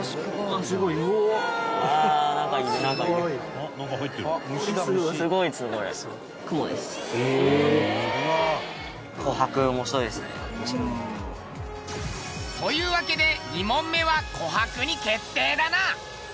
「あっ虫だ虫」というわけで２問目は琥珀に決定だな。